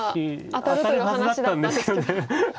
当たるはずだったんですけど。